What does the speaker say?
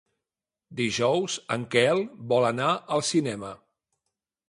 Dijous en Quel vol anar al cinema.